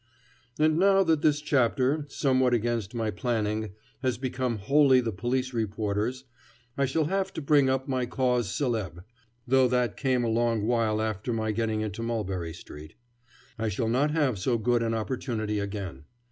And now that this chapter, somewhat against my planning, has become wholly the police reporter's, I shall have to bring up my cause celebre, though that came a long while after my getting into Mulberry Street. I shall not have so good an opportunity again.